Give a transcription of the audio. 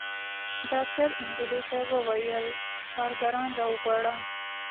ډاکتر نجلۍ ته وويل کارګران راوغواړه.